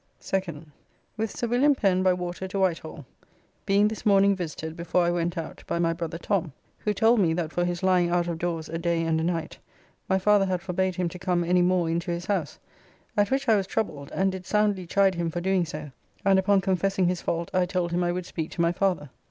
2nd. With Sir Wm. Pen by water to Whitehall, being this morning visited before I went out by my brother Tom, who told me that for his lying out of doors a day and a night my father had forbade him to come any more into his house, at which I was troubled, and did soundly chide him for doing so, and upon confessing his fault I told him I would speak to my father.